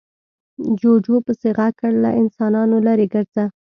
جوجو پسې غږ کړ، له انسانانو ليرې ګرځه.